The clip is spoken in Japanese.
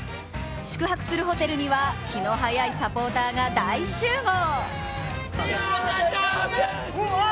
宿泊するホテルには気の早いサポーターが大集合。